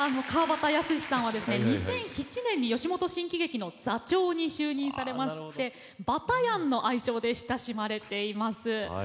川畑泰史さんは２００７年に吉本新喜劇の座長に就任されまして「バタヤン」の愛称で親しまれています。